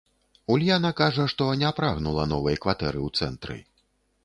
Ульяна кажа, што не прагнула новай кватэры ў цэнтры.